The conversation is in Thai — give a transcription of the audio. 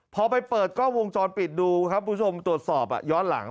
พอไปเปิดกล้องวงจรปิดดูครับคุณผู้ชมตรวจสอบย้อนหลัง